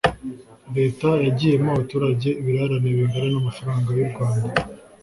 leta yagiyemo abaturage ibirarane bingana n'amafaranga y'u rwanda